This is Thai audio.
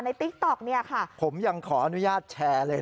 น้องเฮ้ยน้องเฮ้ย